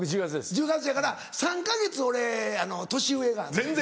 １０月やから３か月俺年上。